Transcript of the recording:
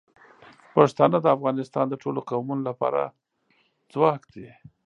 پښتانه د افغانستان د ټولو قومونو لپاره ځواک دي.